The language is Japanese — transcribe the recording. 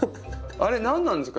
あかなんですか？